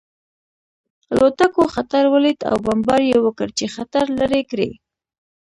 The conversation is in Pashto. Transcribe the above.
الوتکو خطر ولید او بمبار یې وکړ چې خطر لرې کړي